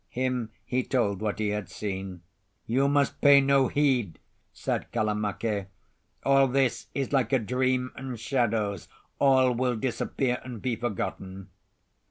Him he told what he had seen. "You must pay no heed," said Kalamake. "All this is like a dream and shadows. All will disappear and be forgotten."